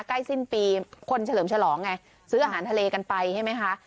ใกล้สิ้นปีคนเฉลิมฉลองไงซื้ออาหารทะเลกันไปใช่ไหมคะ